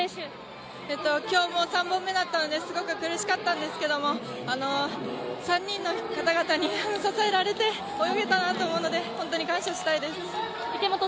今日も３本目だったのですごく苦しかったんですけども３人の方々に支えられて泳げたなと思うので本当に感謝したいです。